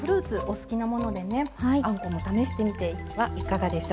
お好きなものでねあんこも試してみてはいかがでしょうか。